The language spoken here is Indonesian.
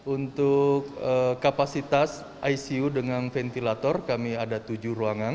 untuk kapasitas icu dengan ventilator kami ada tujuh ruangan